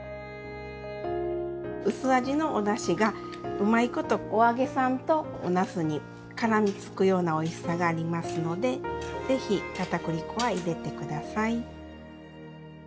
薄味のおだしがうまいことお揚げさんとおなすにからみつくようなおいしさがありますので是非片栗粉は入れて下さい。